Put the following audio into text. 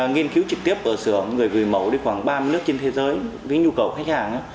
nghiên cứu trực tiếp ở xưởng người gửi mẫu đi khoảng ba mươi nước trên thế giới với nhu cầu khách hàng